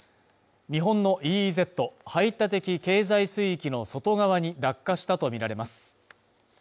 日本のＥＥＺ＝排他的経済水域の外側に落下したとみられます。